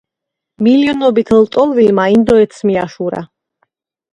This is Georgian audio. მილიონობით ლტოლვილმა ინდოეთს მიაშურა.